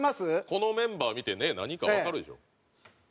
このメンバー見てね何かわかるでしょ。